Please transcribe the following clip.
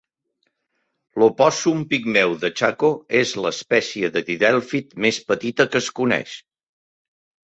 L'opòssum pigmeu de Chaco és l'espècie de didèlfid més petita que es coneix.